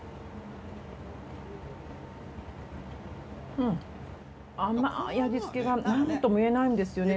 うん甘い味付けがなんともいえないんですよね。